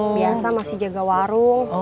biasa masih jaga warung